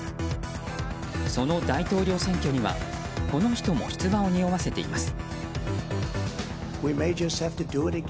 その大統領選挙にはこの人も出馬をにおわせています。